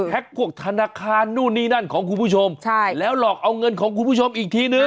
พวกธนาคารนู่นนี่นั่นของคุณผู้ชมใช่แล้วหลอกเอาเงินของคุณผู้ชมอีกทีนึง